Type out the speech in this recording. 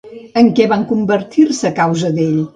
En què van convertir-se, a causa d'ell?